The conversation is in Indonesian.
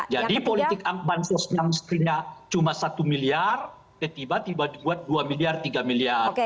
jadi politik bansos yang setidaknya cuma satu miliar tiba tiba dibuat dua miliar tiga miliar